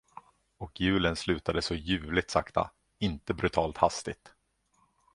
Och julen slutade så ljuvligt sakta, inte brutalt hastigt.